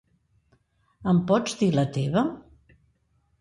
Em pots dir la teva...?